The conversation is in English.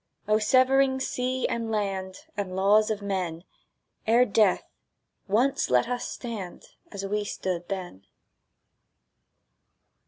O severing sea and land, O laws of men, Ere death, once let us stand As we stood then!